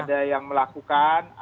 ada yang melakukan pelukis